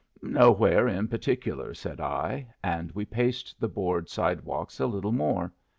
"Nowhere in particular," said I. And we paced the board sidewalks a little more.